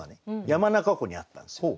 山中湖にあったんですよ。